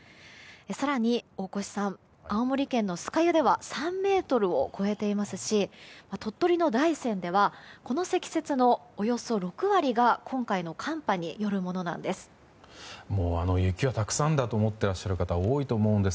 更に、青森県の酸ヶ湯では３ｍを超えていますし鳥取の大山ではこの積雪のおよそ６割が今回の寒波によるものなんです。